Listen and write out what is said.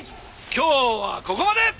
今日はここまで！